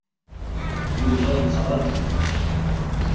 Yuba yettraǧu.